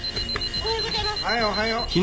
おはようございます。